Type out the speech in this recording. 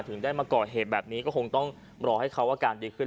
ถึงได้มาก่อเหตุแบบนี้ก็คงต้องรอให้เขาอาการดีขึ้น